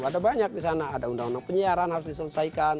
ada banyak di sana ada undang undang penyiaran harus diselesaikan